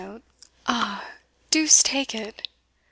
Ah! deuce take it!